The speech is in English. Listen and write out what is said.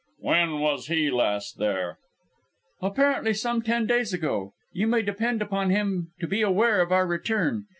"When was he last there?" "Apparently some ten days ago. You may depend upon him to be aware of our return!